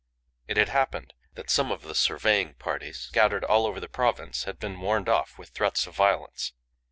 It had happened that some of the surveying parties scattered all over the province had been warned off with threats of violence.